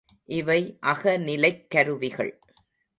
இவை அகநிலைக் கருவிகள்.